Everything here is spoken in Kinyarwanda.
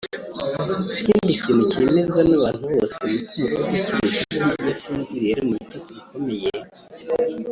Ikindi kintu cyemezwa n’abantu bose n’uko umukobwa ukiri isugi iyo asinziye ari mu bitotsi bikomeye